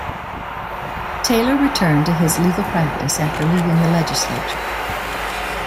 Taylor returned to his legal practice after leaving the legislature.